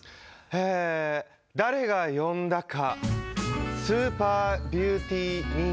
ええ誰が呼んだか。